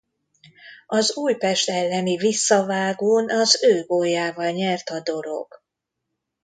Az Újpest elleni visszavágón az ő góljával nyert a Dorog.